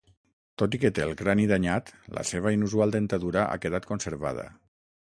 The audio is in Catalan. Tot i que té el crani danyat, la seva inusual dentadura ha quedat conservada.